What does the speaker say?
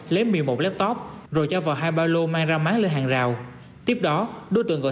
đếm miêu một laptop rồi cho vào hai ba lô mang ra máng lên hàng rào tiếp đó đối tượng gọi